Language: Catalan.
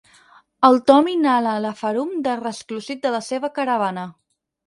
El Tom inhala la ferum de resclosit de la seva caravana.